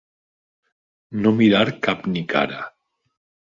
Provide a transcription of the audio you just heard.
No mirar cap ni cara.